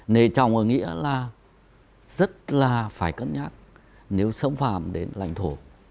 nề trọng ở nghĩa là rất là phải cân nhắc nếu xâm phạm đến lãnh thổ